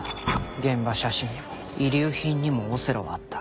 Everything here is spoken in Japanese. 現場写真にも遺留品にもオセロはあった。